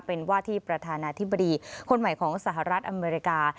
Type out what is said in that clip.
เป็นว่าที่ประธานาธิบดีคนใหม่ของสหรัฐอเมริกา